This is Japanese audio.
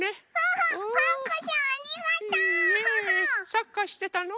サッカーしてたの？